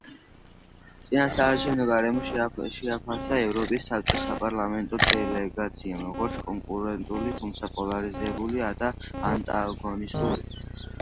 წინასაარჩევნო გარემო შეაფასა ევროპის საბჭოს საპარლამენტო დელეგაციამ როგორც კონკურენტული, თუმცა პოლარიზებული და ანტაგონისტური.